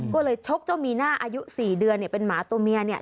ก็เลยชกเจ้ามีหน้าอายุ๔เดือนเนี่ยเป็นหมาตัวเมียเนี่ย